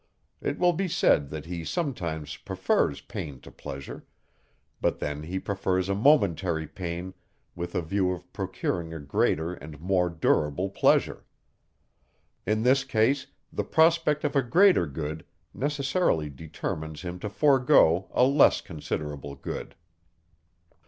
It will be said, that he sometimes prefers pain to pleasure; but then he prefers a momentary pain with a view of procuring a greater and more durable pleasure. In this case, the prospect of a greater good necessarily determines him to forego a less considerable good.